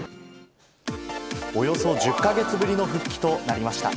およそ１０か月ぶりの復帰となりました。